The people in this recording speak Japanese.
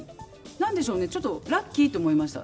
何でしょうねちょっとラッキーと思いました。